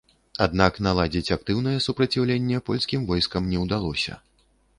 Аднак наладзіць актыўнае супраціўленне польскім войскам не ўдалося.